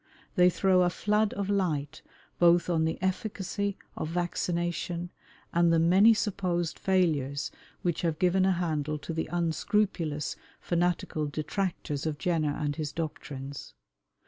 They throw a flood of light both on the efficacy of vaccination and the many supposed failures which have given a handle to the unscrupulous fanatical detractors of Jenner and his doctrines.